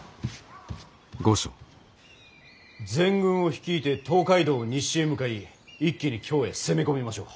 全軍を率いて東海道を西へ向かい一気に京へ攻め込みましょう。